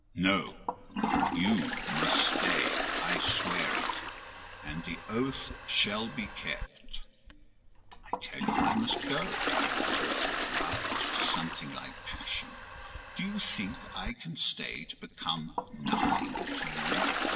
"No: you must stay! I swear it—and the oath shall be kept." "I tell you I must go!" I retorted, roused to something like passion. "Do you think I can stay to become nothing to you?